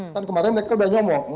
kan kemarin mereka udah ngomong